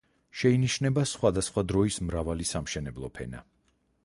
შეინიშნება სხვადასხვა დროის მრავალი სამშენებლო ფენა.